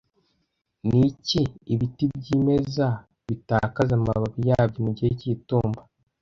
Ni iki ibiti byimeza bitakaza amababi yabyo mugihe cy'itumba